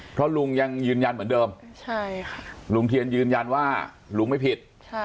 เพราะลุงยังยืนยันเหมือนเดิมลุงเทียนยืนยันว่าลุงไม่ผิด